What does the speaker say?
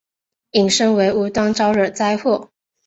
引申为无端招惹灾祸。